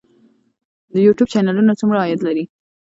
د یوټیوب چینلونه څومره عاید لري؟